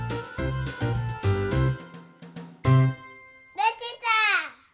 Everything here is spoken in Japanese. できた！